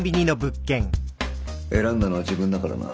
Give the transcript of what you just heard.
選んだのは自分だからな。